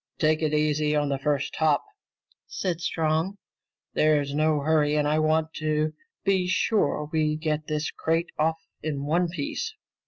"Take it easy on the first hop," said Strong. "There's no hurry and I want to be sure we get this crate off in one piece."